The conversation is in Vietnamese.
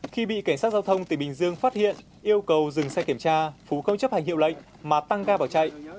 khi bị cảnh sát giao thông từ bình dương phát hiện yêu cầu dừng xe kiểm tra phú không chấp hành hiệu lệnh mà tăng ga vào chạy